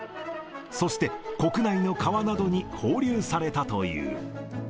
そして国内の川などに放流されたという。